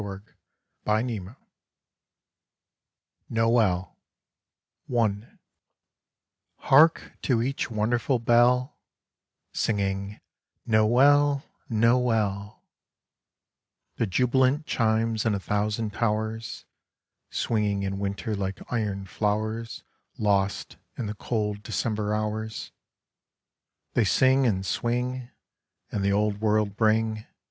JJ0847B NOELl HARK to each wonderful bell, Singing, "Noel I Noel 1"— The jubilant chimes in a thousand towers, Swinging in Winter like iron flowers Lost in the cold December hours. They sing and swing, And the old Word bring.